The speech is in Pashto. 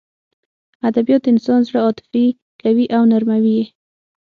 ادبیات د انسان زړه عاطفي کوي او نرموي یې